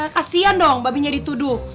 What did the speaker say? kasian dong babinya dituduh